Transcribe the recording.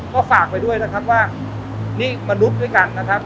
ก็ฝากไปด้วยนะครับว่านี่มนุษย์ด้วยกันนะครับ